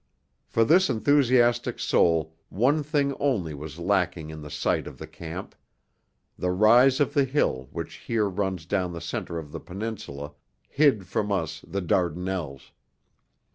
For this enthusiastic soul one thing only was lacking in the site of the camp: the rise of the hill which here runs down the centre of the Peninsula, hid from us the Dardanelles.